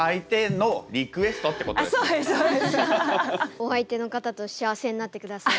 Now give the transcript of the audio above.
お相手の方と幸せになってください。